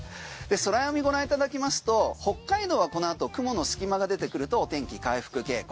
ソラヨミご覧いただきますと北海道はこのあと雲の隙間が出てくると天気回復傾向